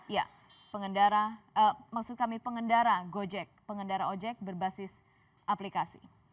ya pengendara maksud kami pengendara gojek pengendara ojek berbasis aplikasi